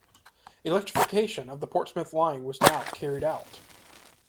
Electrification of the Portsmouth line was now carried out.